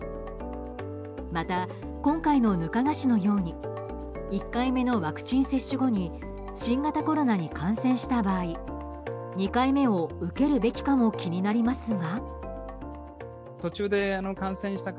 また、今回の額賀氏のように１回目のワクチン接種後に新型コロナに感染した場合２回目を受けるべきかも気になりますが。